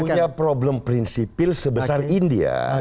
punya problem prinsipil sebesar india